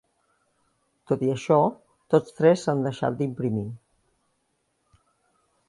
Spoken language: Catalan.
Tot i això, tots tres s"han deixat d"imprimir.